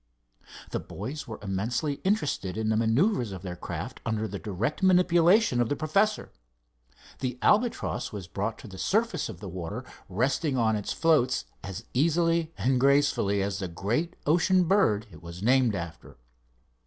The boys were immensely interested in the manœuvers of their craft under the direct manipulation of the professor. The Albatross was brought to the surface of the water, resting on its floats as easily and gracefully as the great ocean bird it was named after.